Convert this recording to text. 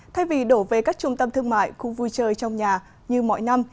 thay vì đổ về các trung tâm thương mại khu vui chơi trong nhà như mọi năm